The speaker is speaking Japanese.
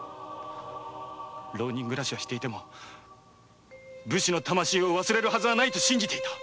浪人暮らしはしていても武士の魂だけは失うハズがないと信じていた。